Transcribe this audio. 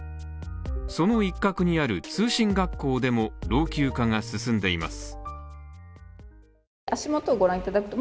その一角にある通信学校でも老朽化が進んでいます。